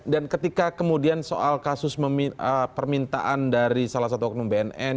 dan ketika kemudian soal kasus permintaan dari salah satu oknum bnn